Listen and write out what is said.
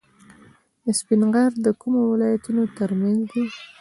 سپین غر د کومو ولایتونو ترمنځ دی؟